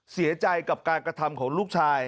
เสียใจกับการกระทำของลูกชาย